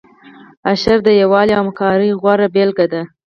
اشر د یووالي او همکارۍ غوره بیلګه ده.